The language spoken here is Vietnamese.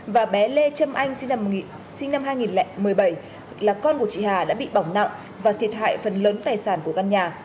và bé lê trâm anh sinh năm hai nghìn một mươi bảy là con của chị hà đã bị bỏng nặng và thiệt hại phần lớn tài sản của căn nhà